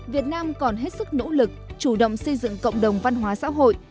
việt nam còn hết sức nỗ lực chủ động xây dựng cộng đồng văn hóa xã hội